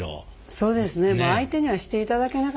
そうですね